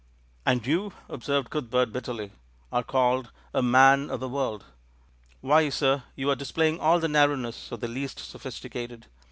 "And you," observed Cuthbert bitterly, "are called 'a man of the world'! Why, sir, you are displaying all the narrowness of the least sophis ticated.